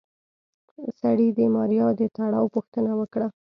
سړي د ماريا د تړاو پوښتنه وکړه.